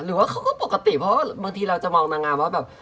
หรือว่าเขาก็ปกติเพราะว่าบางทีเราจะมองนางงามว่าแบบ